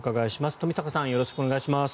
冨坂さんよろしくお願いします。